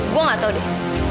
gue gak tau deh